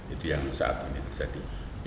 itu yang saat ini terjadi